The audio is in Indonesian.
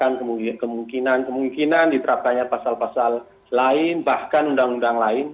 kami terus kembangkan bahkan kemungkinan kemungkinan diterapkannya pasal pasal lain bahkan undang undang lain